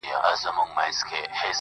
په گيلاس او په ساغر دي اموخته کړم.